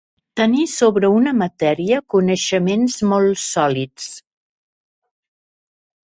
Tenir sobre una matèria coneixements molt sòlids.